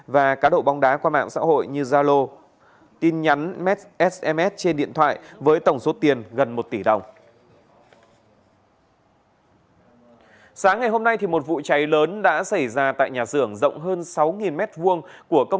và cá độ bóng đá qua mạng xã hội như zalo